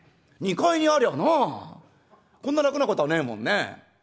二階にありゃあなこんな楽なことねえもんね。